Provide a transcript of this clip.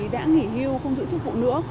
đã nghỉ hưu không giữ chức vụ nữa